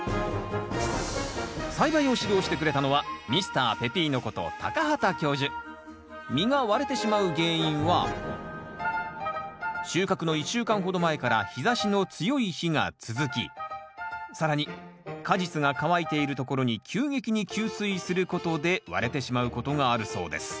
栽培を指導してくれたのは実が割れてしまう原因は収穫の１週間ほど前から日ざしの強い日が続き更に果実が乾いているところに急激に吸水することで割れてしまうことがあるそうです。